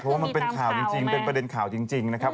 เพราะว่ามันเป็นข่าวจริงเป็นประเด็นข่าวจริงนะครับ